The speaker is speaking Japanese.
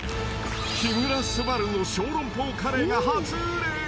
木村昴の小籠包カレーが初売れ。